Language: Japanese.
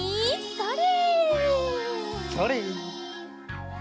それ。